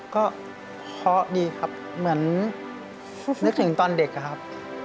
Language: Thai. ก็เพราะดีครับเหมือนนึกถึงตอนเด็กอะครับ